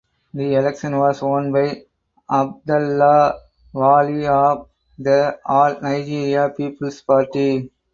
The election was won by Abdallah Wali of the All Nigeria Peoples Party.